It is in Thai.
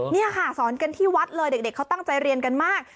นี่ค่ะสอนกันที่วัดเลยเด็กเขาตั้งใจเรียนกันมาก